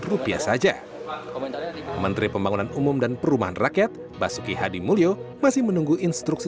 rupiah saja menteri pembangunan umum dan perumahan rakyat basuki hadi mulyo masih menunggu instruksi